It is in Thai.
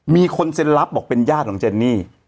มีคนเซ็นรับบอกเป็นญาติของเจนนี่